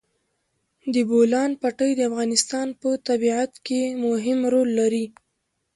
د بولان پټي د افغانستان په طبیعت کې مهم رول لري.